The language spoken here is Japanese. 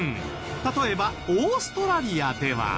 例えばオーストラリアでは。